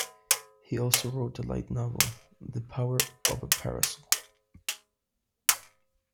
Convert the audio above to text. He also wrote a light novel, "The Power Of A Parasol".